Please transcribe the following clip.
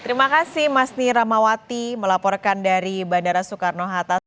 terima kasih mas niramawati melaporkan dari bandara soekarno hatta